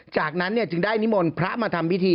จากนั้นจึงได้นิมนต์พระมาทำพิธี